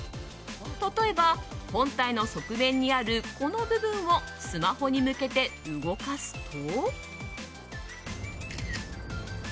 例えば、本体の側面にあるこの部分をスマホに向けて動かすと。